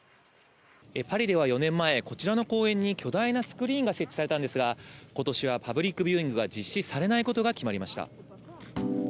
パリでは４年前こちらの公園に巨大なスクリーンが設置されたんですが今年はパブリックビューイングが実施されないことが決まりました。